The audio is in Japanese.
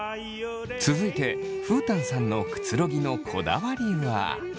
続いてフータンさんのくつろぎのこだわりは？